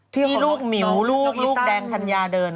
ที่ลูกหมิวลูกอีตันแล้วก็ลูกแดงธัญญาเดิน